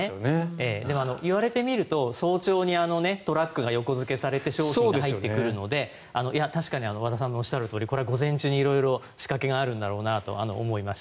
でも言われてみると早朝にトラックが横付けされて商品が入ってくるので確かに和田さんのおっしゃるとおり午前中に色々仕掛けがあるんだろうなと思いました。